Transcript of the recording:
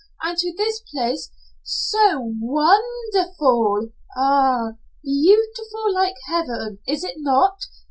And to this place so won n der ful Ah! Beautiful like heaven Is not?